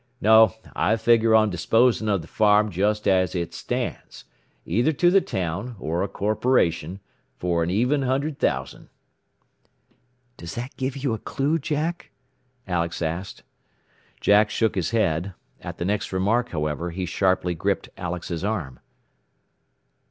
No; I figure on disposing of the farm just as it stands, either to the town, or a corporation, for an even hundred thousand." "Does that give you a clue, Jack?" Alex asked. Jack shook his head. At the next remark, however, he sharply gripped Alex's arm.